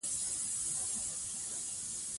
هغه مکې ته د تګ هیله لري.